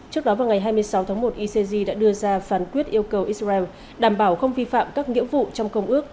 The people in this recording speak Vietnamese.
trước đó vào ngày hai mươi sáu tháng một icg đã đưa ra phán quyết yêu cầu israel đảm bảo không vi phạm các nghĩa vụ trong công ước